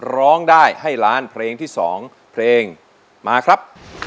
ร้องได้ให้ล้านเพลงที่๒เพลงมาครับ